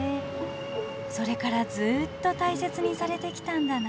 それからずっと大切にされてきたんだな。